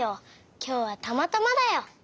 きょうはたまたまだよ。